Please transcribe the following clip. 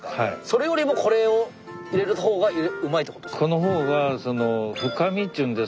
それよりもこれを入れるほうがうまいってことですか？